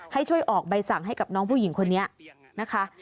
ให้ช่วยออกใบสั่งให้กับน้องผู้หญิงคนนี้นะคะ